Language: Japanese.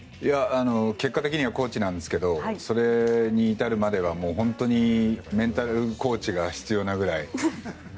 結果的にはコーチなんですけどそれに至るまでは本当にメンタルコーチが必要なぐらい